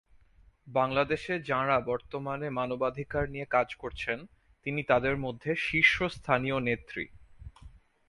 বাংলাদেশে যাঁরা বর্তমানে মানবাধিকার নিয়ে কাজ করছেন, তিনি তাদের মধ্যে শীর্ষস্থানীয় নেত্রী।